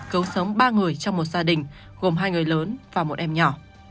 cứu sống ba người trong một gia đình gồm hai người lớn và một em nhỏ